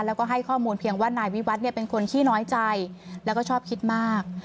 แล้วก็ให้ข้อมูลเพียงว่านายวิวัฒน์เป็นคนขี้น้อยใจแล้วก็ชอบคิดมาก